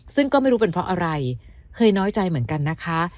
ซึ่งก็ไม่รู้เป็นเพราะอะไรเคยน้อยใจเหมือนกันนะคะ